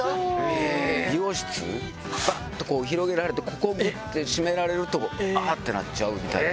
美容室、ばっとこう、広げられて、ここをしめられると、あーってなっちゃうみたいな。